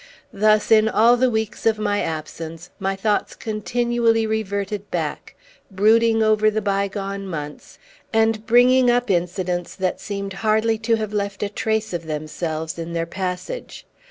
Thus, in all the weeks of my absence, my thoughts continually reverted back, brooding over the bygone months, and bringing up incidents that seemed hardly to have left a trace of themselves in their passage.